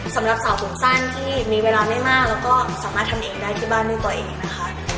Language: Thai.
สำหรับสาวผมสั้นที่มีเวลาไม่มากแล้วก็สามารถทำเองได้ที่บ้านด้วยตัวเองนะคะ